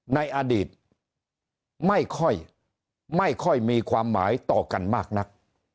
ในอดีตไม่ค่อยไม่ค่อยมีความหมายต่อกันมากนัก